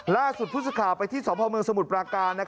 ล่าสุดพุทธข่าวไปที่สมพเมืองสมุดประการ